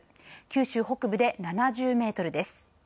九州北部で７０メートルです。